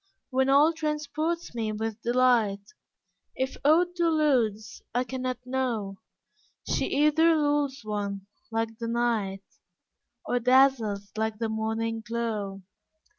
When all transports me with delight, If aught deludes I can not know, She either lulls one like the Night, Or dazzles like the Morning glow.